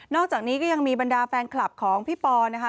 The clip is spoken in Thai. อกจากนี้ก็ยังมีบรรดาแฟนคลับของพี่ปอนะคะ